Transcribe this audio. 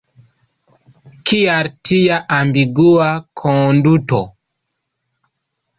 Kial tia ambigua konduto?